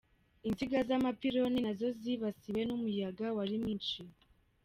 Insinga z’amapiloni nazo zibasiwe n’umuyaga wari mwinshi.